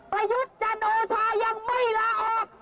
ประยุทธ์จันโอชายังไม่ลาออก